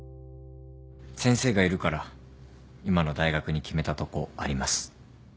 先生がいるから今の大学に決めたとこあります。